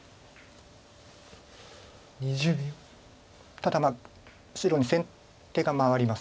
ただ白に先手が回ります